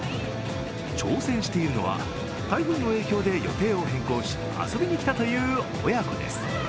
挑戦しているのは、台風の影響で予定を変更し、遊びに来たという親子です。